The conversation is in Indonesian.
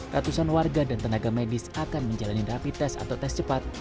ratusan warga dan tenaga medis akan menjalani rapi tes atau tes cepat